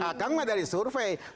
akang mah dari survei